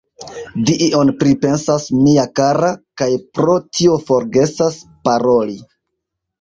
Vi ion pripensas, mia kara, kaj pro tio forgesas paroli.